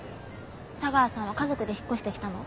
茶川さんは家族で引っ越してきたの？